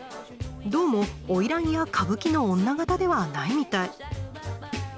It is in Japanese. どうも花魁や歌舞伎の女方ではないみたい。